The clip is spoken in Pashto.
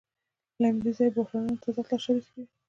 له همدې ځایه بحرانونه تضاد لا شدید کوي